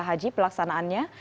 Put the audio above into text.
ada haji pelaksanaannya